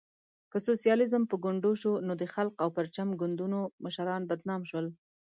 که سوسیالیزم په ګونډو شو، نو د خلق او پرچم ګوندونو مشران بدنام شول.